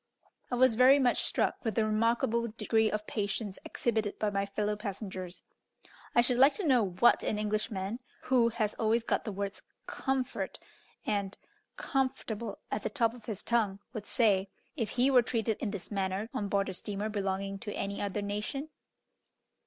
I was very much struck with the remarkable degree of patience exhibited by my fellow passengers. I should like to know what an Englishman, who has always got the words "comfort" and "comfortable" at the top of his tongue, would say, if he were treated in this manner on board a steamer belonging to any other nation?